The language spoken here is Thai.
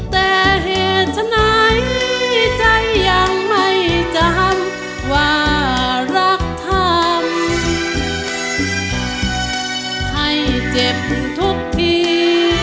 แต่เหตุฉะไหนใจยังไม่จำว่ารักทำให้เจ็บทุกที